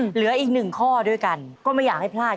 เหลืออีกหนึ่งข้อด้วยกันก็ไม่อยากให้พลาด